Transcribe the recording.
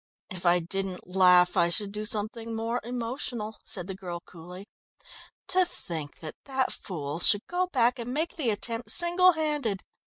"If I didn't laugh I should do something more emotional," said the girl coolly. "To think that that fool should go back and make the attempt single handed.